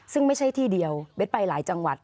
ซึ่งไม่ใช่ที่เดียวเบสไปหลายจังหวัด